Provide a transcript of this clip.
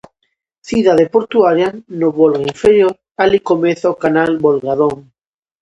Cidade portuaria no Volga inferior, alí comeza o canal Volga-Don.